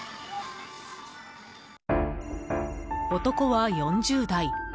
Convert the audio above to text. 男は４０代。